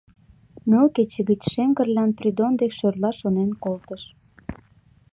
Ныл кече гыч Шем Кырлян Придон дек шӧрлаш шонен колтыш.